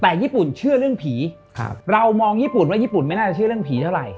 แต่ญี่ปุ่นเชื่อเรื่องผีเรามองญี่ปุ่นว่าญี่ปุ่นไม่น่าจะเชื่อเรื่องผีเท่าไหร